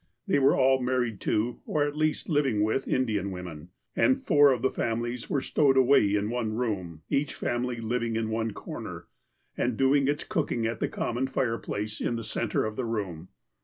They were all married to, or at least living with, Indian women, and four of the families were stowed away in one room, each family liv ing in one corner, and doing its cooking at the common fireplace in the centre of the room.